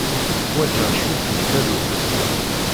Ḥwajeɣ cwiṭ n tallunt.